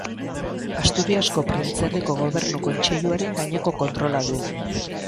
Asturiasko Printzerriko Gobernu Kontseiluaren gaineko kontrola du.